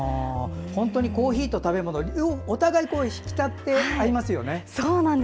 本当にコーヒーと食べ物お互い引き立てあいますよね。